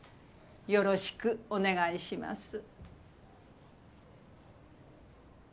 よろしくお願いします。